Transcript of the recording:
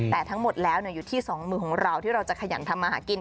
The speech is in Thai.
แต่ทั้งหมดแล้วอยู่ที่สองมือของเราที่เราจะขยันทำมาหากิน